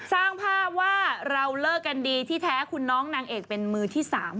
สร้างภาพว่าเราเลิกกันดีที่แท้คุณน้องนางเอกเป็นมือที่๓